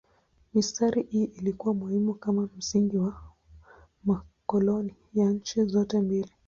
Mistari hii ilikuwa muhimu kama msingi wa makoloni ya nchi zote mbili.